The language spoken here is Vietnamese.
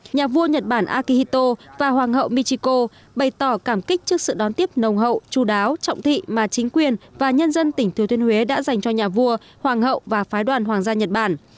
nhà vua nhật bản akihito và hoàng hậu michiko bày tỏ cảm kích trước sự đón tiếp nồng hậu chú đáo trọng thị mà chính quyền và nhân dân tỉnh thừa thiên huế đã dành cho nhà vua hoàng hậu và phái đoàn hoàng gia nhật bản